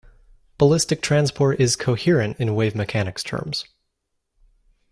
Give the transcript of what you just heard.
Ballistic transport is coherent in wave mechanics terms.